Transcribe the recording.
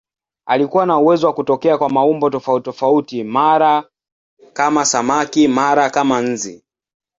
Alikuwa na uwezo wa kutokea kwa maumbo tofautitofauti, mara kama samaki, mara kama nzi.